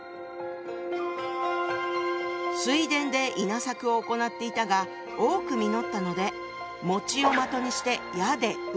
水田で稲作を行っていたが多く実ったのでを的にして矢でうった。